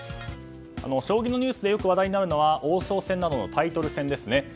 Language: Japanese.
将棋のニュースでよく話題になるのが王将戦などのタイトル戦ですね。